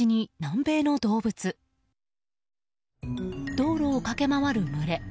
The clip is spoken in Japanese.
道路を駆け回る群れ。